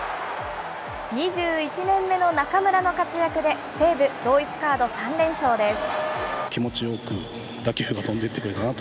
２１年目の中村の活躍で、西武、同一カード３連勝です。